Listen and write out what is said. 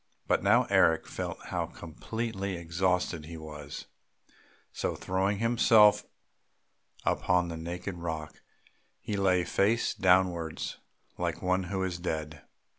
But now Eric felt how completely exhausted he was; so throwing himself upon the naked rock, he lay face downwards like one who is dead.